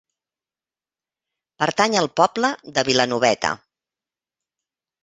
Pertany al poble de Vilanoveta.